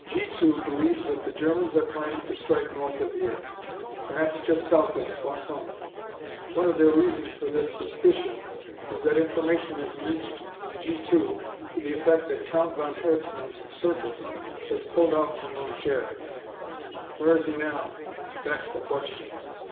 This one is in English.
G 2 believes that the Germans are planning to strike north of here, perhaps just south of Soissons. One of their reasons for this suspicion is that information has reached G 2 to the effect that Count von Herzmann's Circus has pulled out from Roncheres. Where is he now? That's the question!